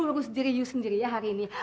ibu harus diri diri sendiri ya hari ini